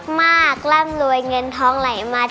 คุณแม่รู้สึกยังไงในตัวของกุ้งอิงบ้าง